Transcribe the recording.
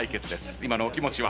今のお気持ちは？